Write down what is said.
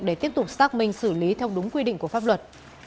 để tiếp tục xác minh xử lý theo đúng quy định của pháp luật